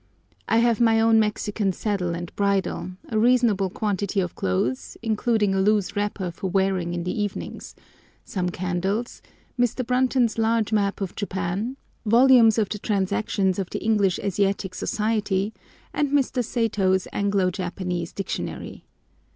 I have my own Mexican saddle and bridle, a reasonable quantity of clothes, including a loose wrapper for wearing in the evenings, some candles, Mr. Brunton's large map of Japan, volumes of the Transactions of the English Asiatic Society, and Mr. Satow's Anglo Japanese Dictionary.